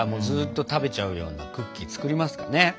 ずーっと食べちゃうようなクッキー作りますかね？